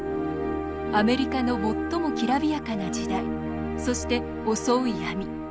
アメリカの最もきらびやかな時代そして襲う闇